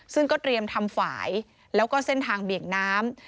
ซึ่งก็เตรียมทำฝ่ายแล้วก็เส้นทางเบี่ยงน้ำ